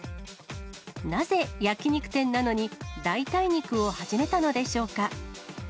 なぜ焼き肉店なのに、代替肉を始めたのでしょうか。